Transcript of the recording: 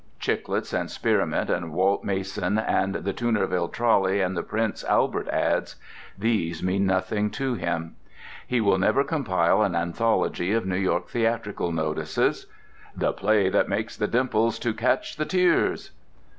Chiclets and Spearmint and Walt Mason and the Toonerville Trolley and the Prince Albert ads—these mean nothing to him. He will never compile an anthology of New York theatrical notices: "The play that makes the dimples to catch the tears."